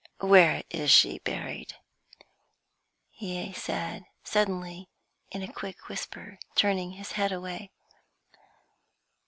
"Where is she buried?" he said, suddenly, in a quick whisper, turning his head away.